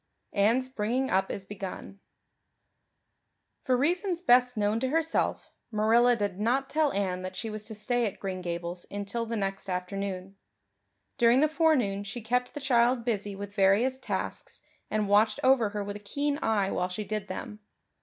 Anne's Bringing up Is Begun FOR reasons best known to herself, Marilla did not tell Anne that she was to stay at Green Gables until the next afternoon. During the forenoon she kept the child busy with various tasks and watched over her with a keen eye while she did them.